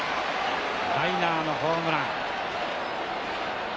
ライナーのホームラン。